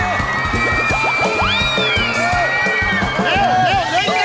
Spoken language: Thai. เร็วเร็วเร็วเร็วเร็ว